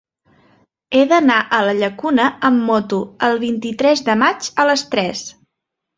He d'anar a la Llacuna amb moto el vint-i-tres de maig a les tres.